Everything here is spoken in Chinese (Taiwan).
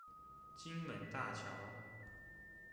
金門大橋